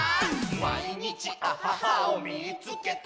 「まいにちアハハをみいつけた！」